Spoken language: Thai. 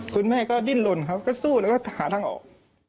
คุณแม่ก็ดิ้นลนครับก็สู้แล้วก็หาทางออก